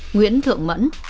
nguyễn thượng mẫn